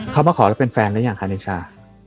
เขามาขอแล้วเป็นแฟนหรือยังคะนิชา